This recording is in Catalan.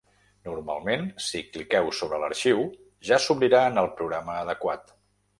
Normalment, si cliqueu sobre l’arxiu ja s’obrirà en el programa adequat.